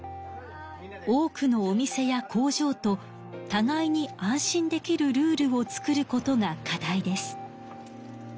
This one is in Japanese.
多くのお店や工場とたがいに安心できるルールを作ることが課題です。